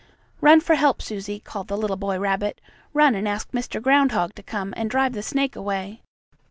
"Run for help, Susie!" called the little boy rabbit. "Run and ask Mr. Groundhog to come and drive the snake away!"